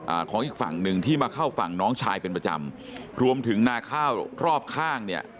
ของอีกฝั่งหนึ่งที่มาเข้าฝั่งน้องชายเป็นประจำรวมถึงนาข้าวรอบข้างเนี่ย